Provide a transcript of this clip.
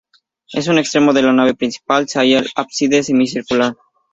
En un extremo de la nave principal se halla el ábside, semicircular.